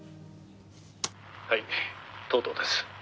「はい藤堂です」